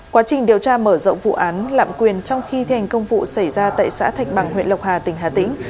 quá trình điều tra mở rộng vụ án lạm quyền trong khi thi hành công vụ xảy ra tại xã thạch bằng huyện lộc hà tỉnh hà tĩnh